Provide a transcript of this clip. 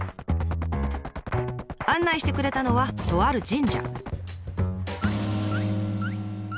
案内してくれたのはとある神社。